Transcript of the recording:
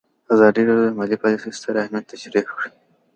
ازادي راډیو د مالي پالیسي ستر اهميت تشریح کړی.